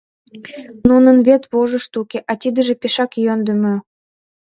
Нунын вет вожышт уке, а тидыже пешак йӧндымӧ.